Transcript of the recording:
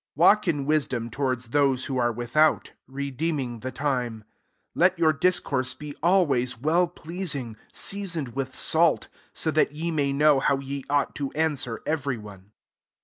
f Walk in wisdom towards hose who are without, redeemi ng the time. 6 Let your dis* .ourse be always well pleasing, .easoned with salt, so that ye nay know how ye ought to LQswer every one.